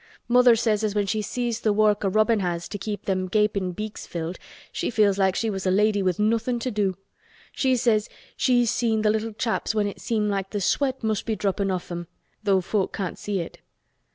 Mother says as when she sees th' work a robin has to keep them gapin' beaks filled, she feels like she was a lady with nothin' to do. She says she's seen th' little chaps when it seemed like th' sweat must be droppin' off 'em, though folk can't see it."